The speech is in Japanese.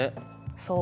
そう。